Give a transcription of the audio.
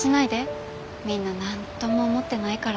みんな何とも思ってないから。